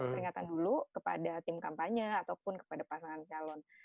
peringatan dulu kepada tim kampanye ataupun kepada pasangan calon